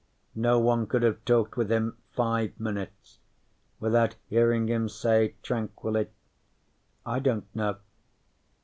No one could have talked with him five minutes without hearing him say tranquilly: "I don't know."